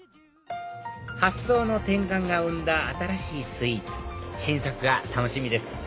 発想の転換が生んだ新しいスイーツ新作が楽しみです